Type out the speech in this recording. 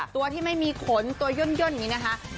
ตัวที่ไม่มีขนตัวย่นอย่างนี้นะคะ